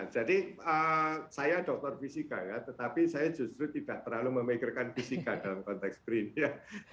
jadi saya doktor fisika ya tetapi saya justru tidak terlalu memikirkan fisika dalam konteks print ya